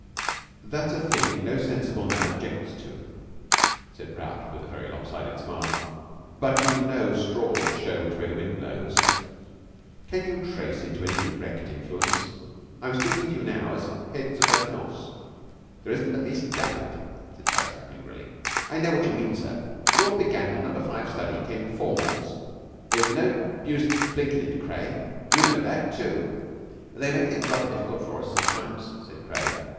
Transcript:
"That's a thing no sensible man objects to," said Prout with a lop sided smile; "but you know straws show which way the wind blows. Can you trace it to any direct influence? I am speaking to you now as heads of the house." "There isn't the least doubt of it," said Harrison angrily. "I know what you mean, sir. It all began when Number Five study came to the form rooms. There's no use blinkin' it, Craye. You know that, too." "They make things rather difficult for us, sometimes," said Craye.